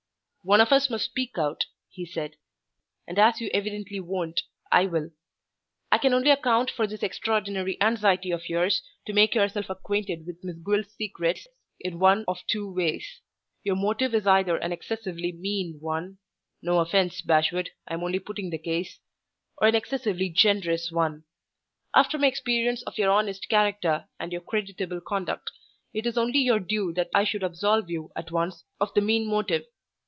"One of us must speak out," he said; "and as you evidently won't, I will. I can only account for this extraordinary anxiety of yours to make yourself acquainted with Miss Gwilt's secrets, in one of two ways. Your motive is either an excessively mean one (no offense, Bashwood, I am only putting the case), or an excessively generous one. After my experience of your honest character and your creditable conduct, it is only your due that I should absolve you at once of the mean motive.